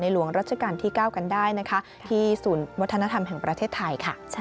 ในหลวงรัชกาลที่เก้ากันได้ที่ศูนย์วัฒนธรรมแห่งประเทศไทย